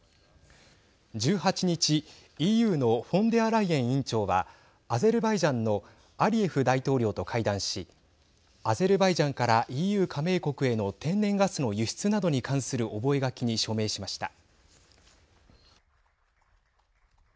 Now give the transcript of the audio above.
１８日、ＥＵのフォンデアライエン委員長はアゼルバイジャンのアリエフ大統領と会談しアゼルバイジャンからＥＵ加盟国への天然ガスの輸出などに関する覚書に署名しました。